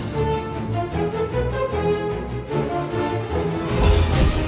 แกนึกว่าหมายอยู่สัญญาณของเอง